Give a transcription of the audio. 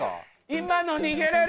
今の逃げれる？